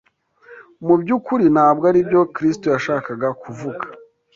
Mubyukuri ntabwo aribyo Krisito yashakaga kuvuga